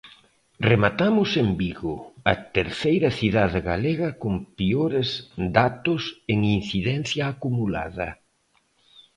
Rematamos en Vigo, a terceira grande cidade galega con peores datos en incidencia acumulada.